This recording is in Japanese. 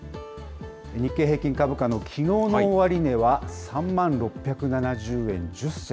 日経平均株価のきのうの終値は３万６７０円１０銭。